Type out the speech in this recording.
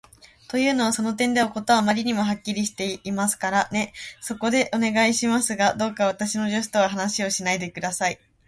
というのは、その点では事はあまりにはっきりしていますからね。そこで、お願いしますが、どうか私の助手とは話をしないで下さい。